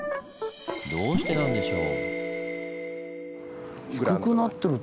どうしてなんでしょう？